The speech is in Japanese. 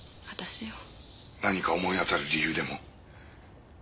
何か思い当たる理由でも？